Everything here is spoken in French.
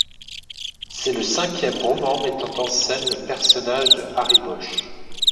C'est le cinquième roman mettant en scène le personnage de Harry Bosch.